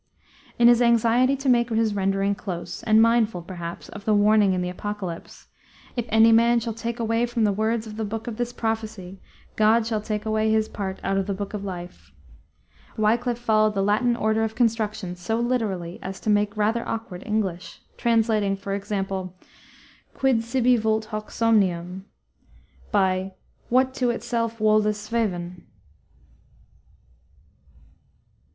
In his anxiety to make his rendering close, and mindful, perhaps, of the warning in the Apocalypse, "If any man shall take away from the words of the book of this prophecy, God shall take away his part out of the book of life," Wiclif followed the Latin order of construction so literally as to make rather awkward English, translating, for example, Quid sibi vult hoc somnium? by _What to itself wole this sweven?